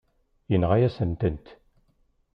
Yenɣa-yasent-t.